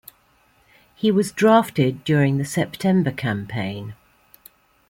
He was drafted during the September campaign.